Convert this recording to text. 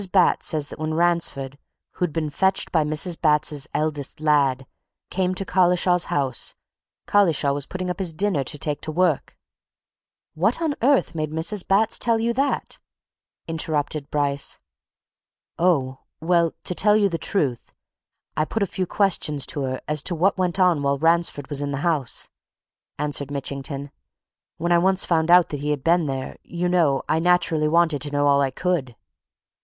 Batts says that when Ransford who'd been fetched by Mrs. Batts's eldest lad came to Collishaw's house, Collishaw was putting up his dinner to take to his work " "What on earth made Mrs. Batts tell you that?" interrupted Bryce. "Oh, well, to tell you the truth, I put a few questions to her as to what went on while Ransford was in the house," answered Mitchington. "When I'd once found that he had been there, you know, I naturally wanted to know all I could."